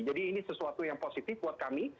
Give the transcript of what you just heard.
jadi ini sesuatu yang positif buat kami